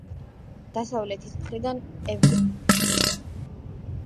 დასავლეთის მხრიდან ეგვტერის ნანგრევია.